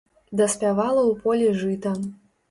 Даспявала ў полі жыта.